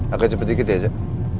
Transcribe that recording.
agak cepet dikit ya zed